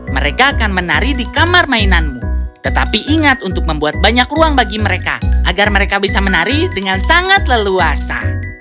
mereka akan menari di kamar mainanmu tetapi ingat untuk membuat banyak ruang bagi mereka agar mereka bisa menari dengan sangat leluasa